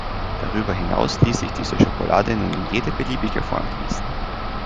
Darüber hinaus ließ sich diese Schokolade nun in jede beliebige Form gießen.